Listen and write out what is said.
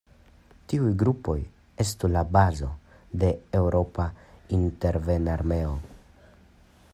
Tiuj grupoj estu la bazo de eŭropa intervenarmeo.